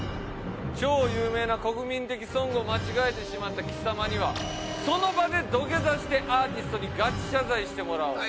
超有名な国民的ソングを間違えてしまった貴様にはその場で土下座してアーティストにガチ謝罪してもらおう。